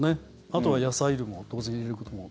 あとは野菜類も当然入れることも。